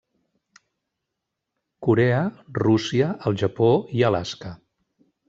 Corea, Rússia, el Japó i Alaska.